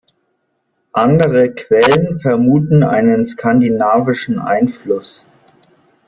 Andere Quellen vermuten einen skandinavischen Einfluss.